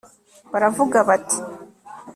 baravuga bati